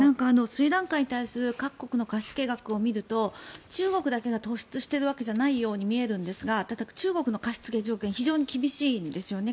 スリランカに対する各国の貸付額を見ると中国だけが突出しているわけではないんですが中国の貸し付け条件非常に厳しいんですね。